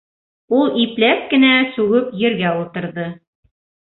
Ул ипләп кенә сүгеп ергә ултырҙы.